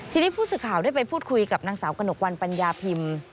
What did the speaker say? ทีนี้ผู้สื่อข่าวได้ไปพูดคุยกับนางสาวกระหนกวันปัญญาพิมพ์